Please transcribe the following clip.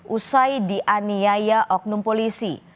usai dianiaya oknum polisi